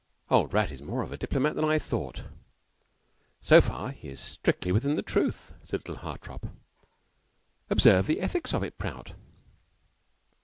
("Old Rat is more of a diplomat than I thought. So far he is strictly within the truth," said little Hartopp. "Observe the ethics of it, Prout.")